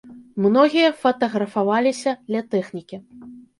Многія фатаграфаваліся ля тэхнікі.